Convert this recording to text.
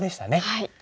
はい。